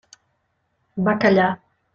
Va callar.